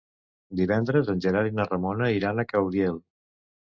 Divendres en Gerard i na Ramona iran a Caudiel.